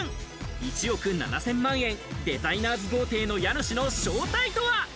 １億７０００万円、デザイナーズ豪邸の家主の正体とは？